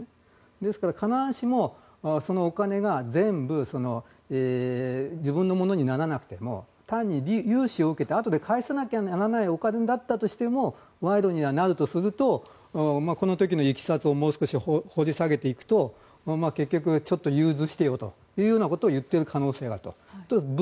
ですから、必ずしもそのお金が全部自分のものにならなくても単に融資を受けてあとで返さなきゃならないお金だったとしても賄賂にはなるとするとこの時のいきさつをもう少し掘り下げていくと結局、ちょっと融通してよと言っている可能性はあると。